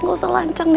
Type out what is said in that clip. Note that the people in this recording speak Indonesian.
nggak usah lancang deh